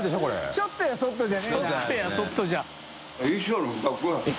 ちょっとやそっとじゃ。